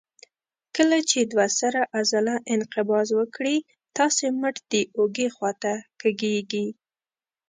کله چې دوه سره عضله انقباض وکړي تاسې مټ د اوږې خواته کږېږي.